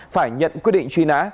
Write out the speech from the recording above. phải nhận quy định truy nã